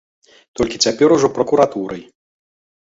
Толькі цяпер ужо пракуратурай.